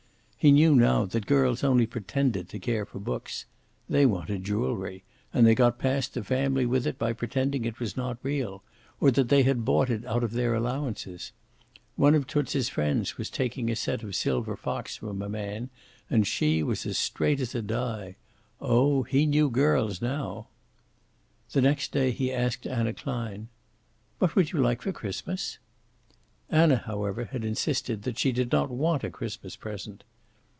He knew now that girls only pretended to care for books. They wanted jewelry, and they got past the family with it by pretending it was not real, or that they had bought it out of their allowances. One of Toots' friends was taking a set of silver fox from a man, and she was as straight as a die. Oh, he knew girls, now. The next day he asked Anna Klein: "What would you like for Christmas?" Anna, however, had insisted that she did not want a Christmas present.